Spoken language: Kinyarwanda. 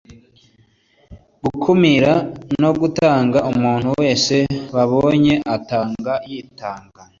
gukumira no gutanga umuntu wese babonye atanga ayitanga